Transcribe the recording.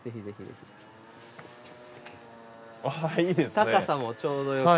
高さもちょうどよく。